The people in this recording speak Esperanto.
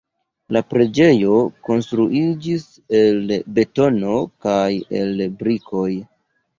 La preĝejo konstruiĝis el betono kaj el brikoj.